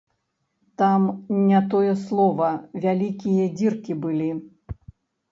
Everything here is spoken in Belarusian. Там не тое слова, вялікія дзіркі былі!